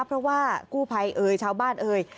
เพราะว่ากู้ภัยเอ่ยชาวบ้านเอ่ย